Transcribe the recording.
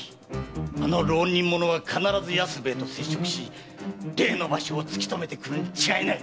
あの浪人者は必ず安兵衛と接触し例の場所を突き止めてくるに違いない。